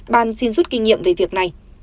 ban xin rút kinh nghiệm về việc này